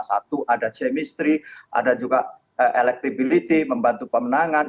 satu ada chemistry ada juga electability membantu pemenangan